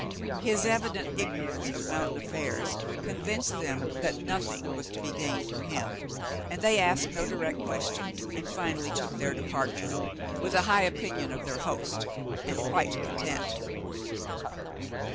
His evident ignorance of mountain affairs convinced them that noth ing was to be gained from him, and they asked no direct questions, and finally took their departure, with a high opinion of their host, and quite content.